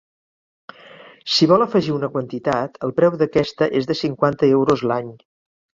Si vol afegir una quantitat, el preu d'aquesta és de cinquanta euros l'any.